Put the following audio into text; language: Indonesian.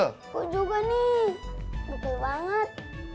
aku juga pegel banget